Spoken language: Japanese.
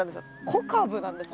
小カブなんですね。